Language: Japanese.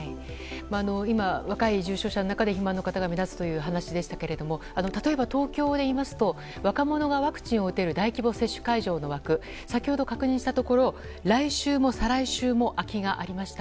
今、若い重症者の中で肥満の方が目立つという話でしたが例えば東京でいいますと若者がワクチンを打てる大規模接種会場の枠先ほど確認したところ来週も再来週も空きがありました。